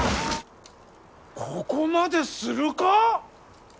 ここまでするか？